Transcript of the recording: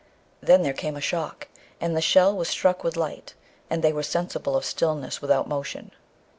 Then there came a shock, and the shell was struck with light, and they were sensible of stillness without motion.